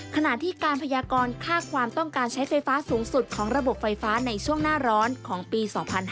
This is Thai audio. ขณะที่การพยากรค่าความต้องการใช้ไฟฟ้าสูงสุดของระบบไฟฟ้าในช่วงหน้าร้อนของปี๒๕๕๙